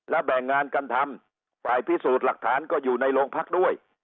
และแบ่งงานกันทำฝ่ายพิสูจน์หลักฐานก็อยู่ในโรงพักด้วย